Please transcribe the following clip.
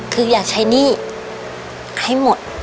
คืออยากใช้หนี้ให้หมด